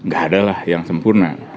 gak adalah yang sempurna